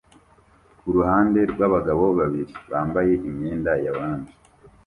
Kuruhande rwabagabo babiri bambaye imyenda ya orange